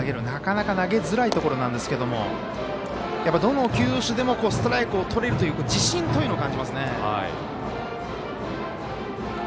なかなか投げづらいところなんですけどどの球種でもストライクをとれるという自信というのを感じますね。